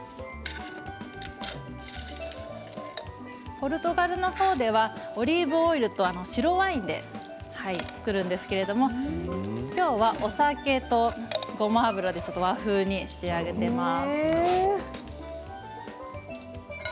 ポルトガルの方ではオリーブオイルと白ワインで作るんですけれど今日はお酒とごま油でちょっと和風に仕上げています。